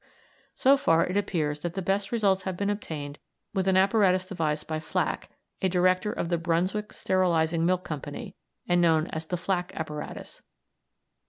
So far it appears that the best results have been obtained with an apparatus devised by Flaack, a director of the Brunswick Sterilising Milk Company, and known as the Flaack apparatus.